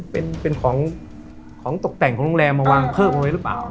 เป็นของของตกแต่งของโรงแรมมาวางเพิ่มเอาไว้หรือเปล่า